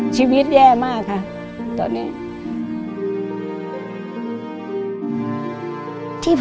ชีวิตแย่มากค่ะตอนนี้